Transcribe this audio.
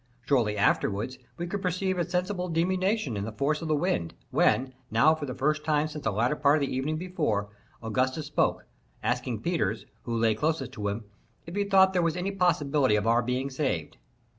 Shortly afterward we could perceive a sensible diminution in the force of the wind, when, now for the first time since the latter part of the evening before, Augustus spoke, asking Peters, who lay closest to him, if he thought there was any possibility of our being saved.